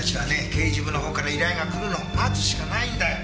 刑事部の方から依頼が来るのを待つしかないんだよ。